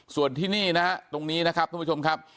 ส่วนที่นี่นะฮะตรงนี้นะครับท่านผู้ชมครับ